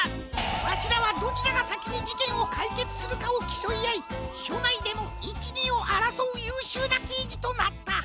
わしらはどちらがさきにじけんをかいけつするかをきそいあいしょないでも１２をあらそうゆうしゅうなけいじとなった。